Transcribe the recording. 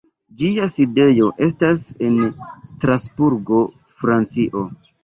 Ĝia sidejo estas en Strasburgo, Francio.